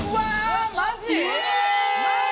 マジ？